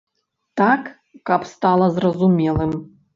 Так, каб стала зразумелым.